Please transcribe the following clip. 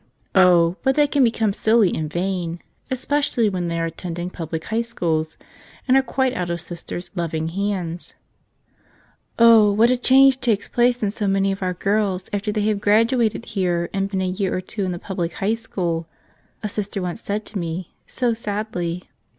Oh, but they can become silly and vain, especially when they are attending public High Schools and are quite out of Sister's loving hands. "Oh, what a change takes place in so many of our girls after they have graduated here and been a year or two in the public High School !" a Sister once said to me, so sadly.